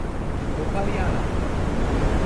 o pali ala!